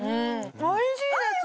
おいしいです